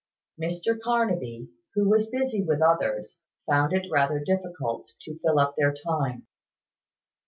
Mr Carnaby, who was busy with others, found it rather difficult to fill up their time.